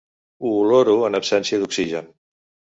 Ho oloro en absència d'oxigen.